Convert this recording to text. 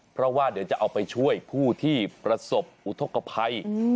เพราะว่าเดี๋ยวจะเอาไปช่วยผู้ที่ประสบอุทธกภัย